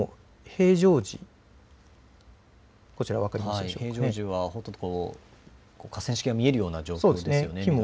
平常時は河川敷が見えるような状況ですね。